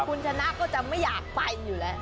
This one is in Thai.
คุณชนะก็จะไม่อยากไปอยู่แล้ว